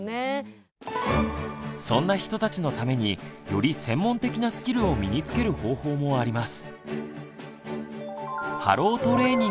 そんな人たちのためにより専門的なスキルを身につける方法もあります。